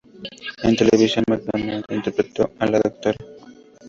En televisión, McDonald interpretó a la Dra.